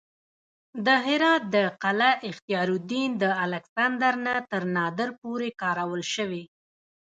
د هرات د قلعه اختیارالدین د الکسندر نه تر نادر پورې کارول شوې